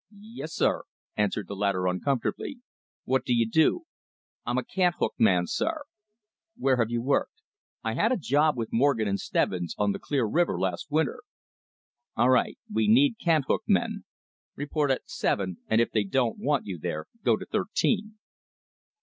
"Yes, sir," answered the latter uncomfortably. "What do you do?" "I'm a cant hook man, sir." "Where have you worked?" "I had a job with Morgan & Stebbins on the Clear River last winter." "All right, we need cant hook men. Report at 'seven,' and if they don't want you there, go to 'thirteen.'"